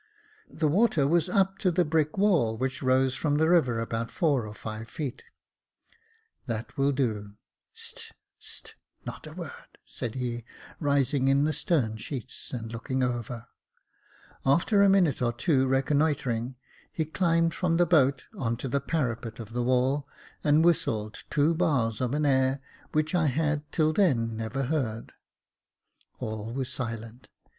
The water was up to the brick wall, which rose from the river about four or five feet. " That will do, st —, st, — not a word," said he, rising in the stern sheets, and looking over. After a minute or two reconnoitring, he climbed from the boat on to the parapet of the wall, and whistled two bars of an air which I had till then never heard. All was silent.